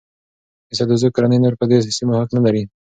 د سدوزو کورنۍ نور په دې سیمو حق نه لري.